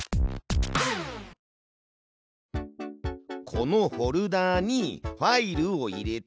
このフォルダーにファイルを入れて。